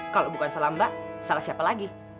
kalau bukan salah mbak salah siapa lagi